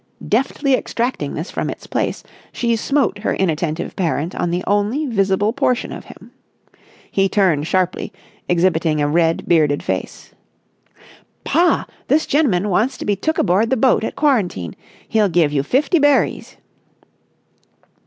Deftly extracting this from its place, she smote her inattentive parent on the only visible portion of him. He turned sharply, exhibiting a red, bearded face. "Pa, this gen'man wants to be took aboard the boat at quarantine. He'll give you fifty berries."